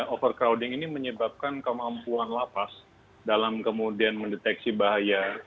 overcrowding ini menyebabkan kemampuan lapas dalam kemudian mendeteksi bahaya